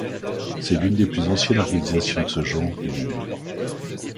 C'est l'une des plus anciennes organisations de ce genre du monde.